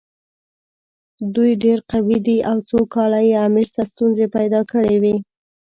دوی ډېر قوي دي او څو کاله یې امیر ته ستونزې پیدا کړې وې.